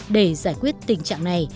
để giải quyết tình trạng này